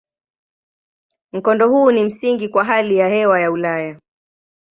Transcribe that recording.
Mkondo huu ni msingi kwa hali ya hewa ya Ulaya.